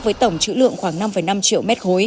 với tổng chữ lượng khoảng năm năm triệu m ba